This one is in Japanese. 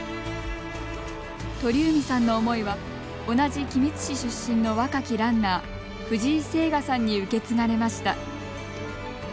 鳥海さんの思いは同じ君津市出身の若きランナー藤井清雅さんに受け継がれました。